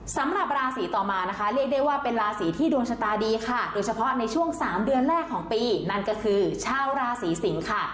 สำหรับราศีต่อมานะคะเรียกได้ว่าเป็นราศีที่ดวงชะตาดีค่ะโดยเฉพาะในช่วงสามเดือนแรกของปีนั่นก็คือชาวราศีสิงค่ะ